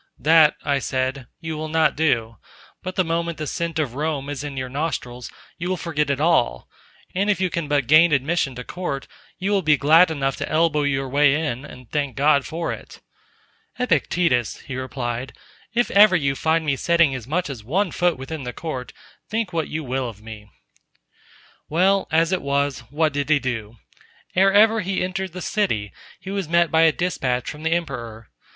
"That," I said, "you will not do; but the moment the scent of Rome is in your nostrils, you will forget it all; and if you can but gain admission to Court, you will be glad enough to elbow your way in, and thank God for it." "Epictetus," he replied, "if ever you find me setting as much as one foot within the Court, think what you will of me." Well, as it was, what did he do? Ere ever he entered the city, he was met by a despatch from the Emperor.